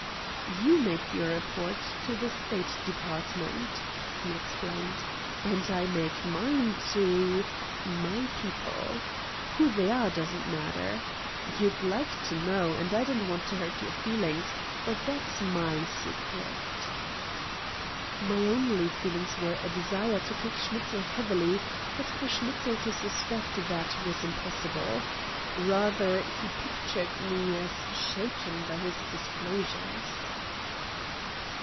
"You make your report to the State Department," he explained, "and I make mine to my people. Who they are doesn't matter. You'd like to know, and I don't want to hurt your feelings, but that's MY secret." My only feelings were a desire to kick Schnitzel heavily, but for Schnitzel to suspect that was impossible. Rather, he pictured me as shaken by his disclosures.